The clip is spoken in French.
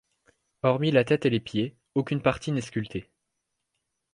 Hormis la tête et les pieds, aucune autre partie n'est sculptée.